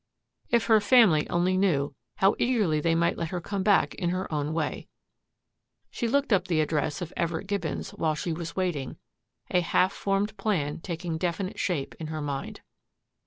If her family only knew, how eagerly they might let her come back in her own way. She looked up the address of Everett Gibbons while she was waiting, a half formed plan taking definite shape in her mind.